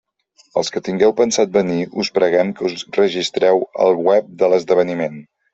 Els que tingueu pensat venir us preguem que us registreu al web de l'esdeveniment.